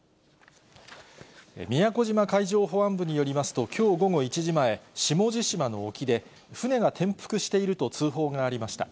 宮古島海上保安部によりますと、きょう午後１時前、下地島の沖で、船が転覆していると通報がありました。